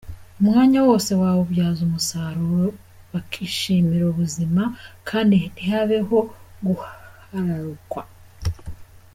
Umwanya wose bawubyaza umusaruro bakishimira ubuzima kandi ntihabeho guhararukanwa.